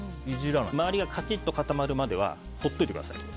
周りがカチッと固まるまでは放っておいてください。